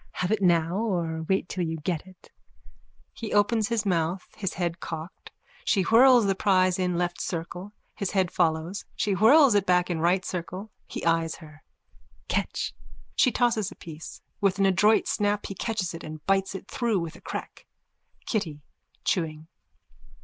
_ Have it now or wait till you get it? _(He opens his mouth, his head cocked. She whirls the prize in left circle. His head follows. She whirls it back in right circle. He eyes her.)_ Catch! (She tosses a piece. With an adroit snap he catches it and bites it through with a crack.) KITTY: _(Chewing.)